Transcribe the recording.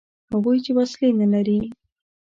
هغوی چې وسلې نه لري.